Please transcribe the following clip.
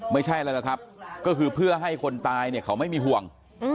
ไม่ใช่อะไรหรอกครับก็คือเพื่อให้คนตายเนี่ยเขาไม่มีห่วง